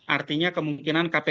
artinya kemungkinan kpk